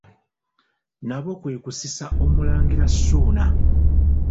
Nabo kwe kusisa Omulangira Ssuuna.